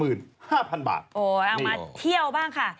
เอามาเที่ยวบ้างค่ะ